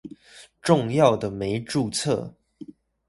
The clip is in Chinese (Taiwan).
重要的沒註冊